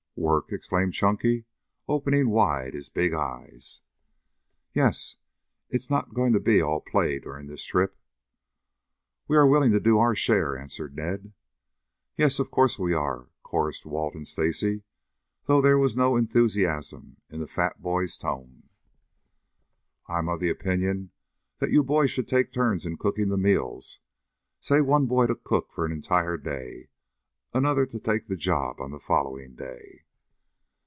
"Work?" exclaimed Chunky, opening wide his big eyes. "Yes. It is not going to be all play during this trip." "We are willing to do our share," answered Ned. "Yes, of course we are," chorused Walt and Stacy, though there was no enthusiasm in the fat boy's tone. "I am of the opinion that you boys should take turns in cooking the meals, say one boy to cook for an entire day, another to take the job on the following day."